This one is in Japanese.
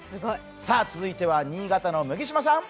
続いては新潟の麦島さん。